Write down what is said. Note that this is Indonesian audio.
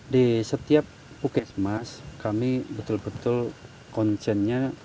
di setiap pukis mas kami betul betul konsennya